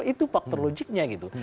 itu faktor logiknya gitu